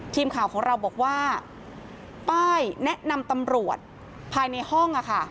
ทีมข่าวของเราบอกว่าป้ายแนะนำตำรวจภายในห้อง